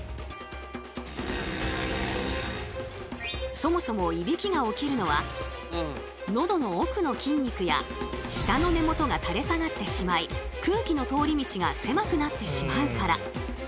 そもそもいびきが起きるのはのどの奥の筋肉や舌の根元が垂れ下がってしまい空気の通り道が狭くなってしまうから。